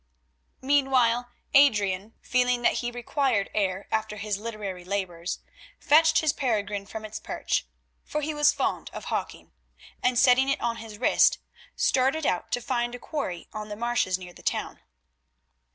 Meanwhile Adrian, feeling that he required air after his literary labours, fetched his peregrine from its perch—for he was fond of hawking—and, setting it on his wrist, started out to find a quarry on the marshes near the town.